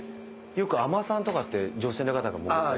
よく海女さんとかって女性の方が潜ったり。